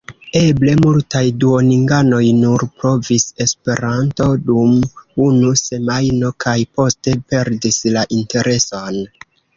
Eble multaj duolinganoj nur provis Esperanton dum unu semajno kaj poste perdis la intereson.